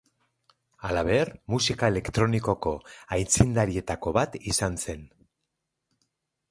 Halaber, musika elektronikoko aitzindarietako bat izan zen.